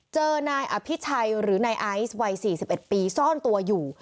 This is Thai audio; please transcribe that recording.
เจอนายอภิชัยหรือนายไอซ์วัย๔๑ปีซ่อนตัวอยู่